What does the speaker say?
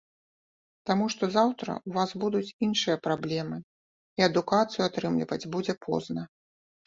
Таму што заўтра ў вас будуць іншыя праблемы, і адукацыю атрымліваць будзе позна.